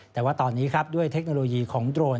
แต่ว่าตอนนี้ครับด้วยเทคโนโลยีของโดรน